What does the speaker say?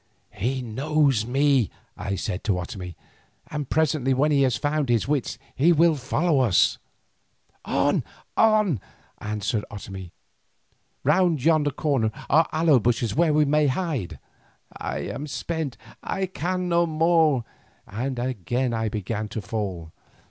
"He knows me," I said to Otomie, "and presently when he has found his wits, he will follow us." "On, on!" answered Otomie; "round yonder corner are aloe bushes where we may hide." "I am spent, I can no more;" and again I began to fall.